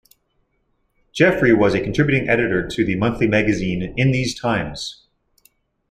Jeffrey was a contributing editor to the monthly magazine "In These Times".